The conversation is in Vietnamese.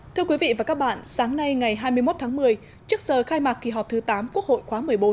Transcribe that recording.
thưa quý vị và các bạn sáng nay ngày hai mươi một tháng một mươi trước giờ khai mạc kỳ họp thứ tám quốc hội khóa một mươi bốn